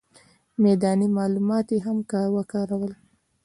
میداني معلومات یې هم وکارول.